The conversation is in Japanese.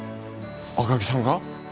赤城さんが？